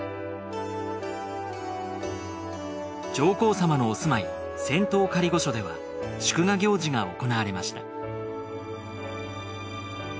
上皇さまのお住まい仙洞仮御所では祝賀行事が行われました